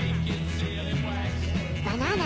バナナ！